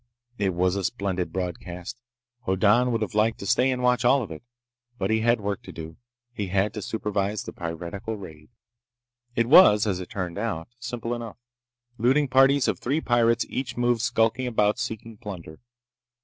It was a splendid broadcast. Hoddan would have liked to stay and watch all of it. But he had work to do. He had to supervise the pirate raid. It was, as it turned out, simple enough. Looting parties of three pirates each moved skulking about, seeking plunder.